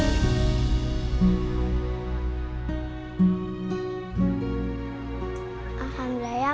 awal sempurna ya ma